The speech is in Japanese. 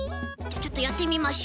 じゃあちょっとやってみましょう。